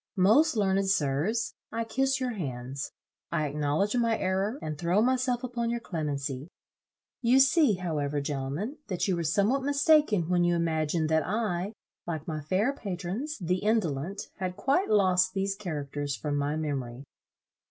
Most learned sirs, I kiss your hands. I acknowledge my error, and throw myself upon your clemency. You see however, gentlemen, that you were somewhat mistaken, when you imagined that I, like my fair patrons, the indolent, had quite lost these characters from my memory.